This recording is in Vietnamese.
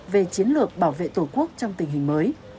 về chiến lược bảo vệ tổ quốc trong tình hình mới